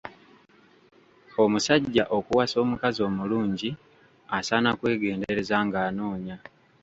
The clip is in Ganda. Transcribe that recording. Omusajja okuwasa omukazi omulungi asaana kwegendereza ng'anoonya.